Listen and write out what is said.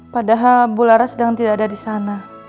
padahal bu lara sedang tidak ada di sana